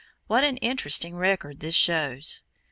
What an interesting record this shows!